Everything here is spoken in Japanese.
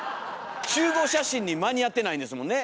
集合写真に間に合ってないんですもんね。